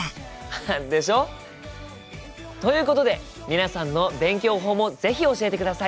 ハハッでしょ？ということで皆さんの勉強法も是非教えてください。